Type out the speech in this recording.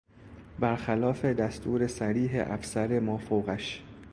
برخلاف دستور صریح افسر مافوقش